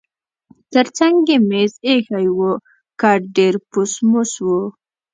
ترڅنګ یې مېز اییښی و، کټ ډېر پوس موس و.